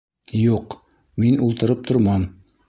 Юҡ, мин ултырып тормам.